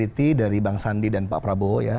itu dari perusahaan